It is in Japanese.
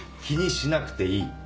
気にしなくていい！